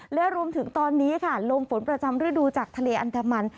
และรวมถึงตอนนี้ค่ะลมฝนประจำฤดูจากทะเลอันดามัน